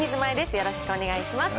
よろしくお願いします。